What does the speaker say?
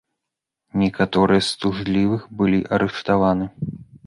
Некаторыя з тужлівых былі арыштаваныя.